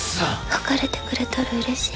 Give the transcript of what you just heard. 別れてくれたらうれしい。